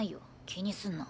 気にすんな。